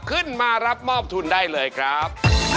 ขึ้นมารับมอบทุนได้เลยครับ